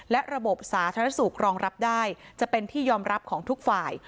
และระบบสาธารณสุขรองรับได้จะเป็นที่ยอมรับของทุกฝ่าย